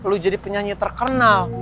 lu jadi penyihir terkenal